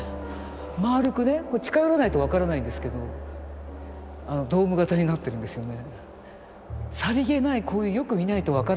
丸くね近寄らないと分からないんですけどドーム形になってるんですよね。